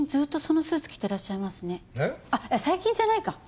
あっ最近じゃないか。